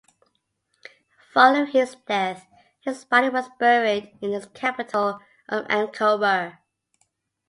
Following his death, his body was buried in his capital of Ankober.